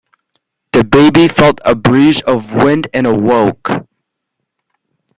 The baby felt a breeze of wind and awoke.